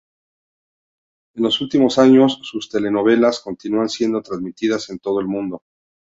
En los últimos años, sus telenovelas continúan siendo transmitidas en todo el mundo.